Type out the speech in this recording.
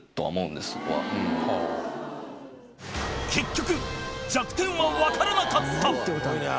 結局弱点はわからなかった